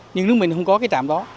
nhưng nước mình không có cái trạm đó